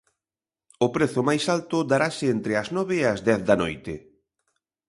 O prezo máis alto darase entre as nove e as dez da noite.